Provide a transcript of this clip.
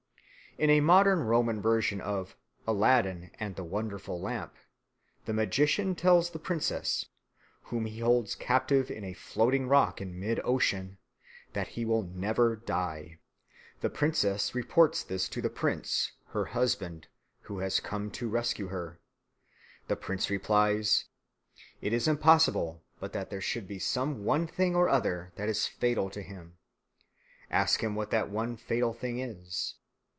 In a modern Roman version of "Aladdin and the Wonderful Lamp," the magician tells the princess, whom he holds captive in a floating rock in mid ocean, that he will never die. The princess reports this to the prince her husband, who has come to rescue her. The prince replies, "It is impossible but that there should be some one thing or other that is fatal to him; ask him what that one fatal thing is."